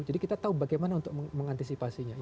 jadi kita tahu bagaimana untuk mengantisipasinya